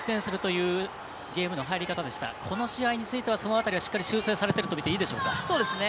このゲームに関してはその辺りはしっかり修正されているとみていいでしょうか？